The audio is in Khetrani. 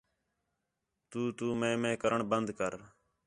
تُو تُو مے مے کرݨ بند کر